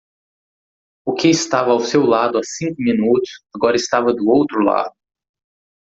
O que estava ao seu lado há cinco minutos agora estava do outro lado.